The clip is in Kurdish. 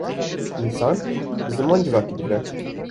Însan bi ziman civakî dibe.